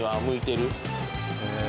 へえ。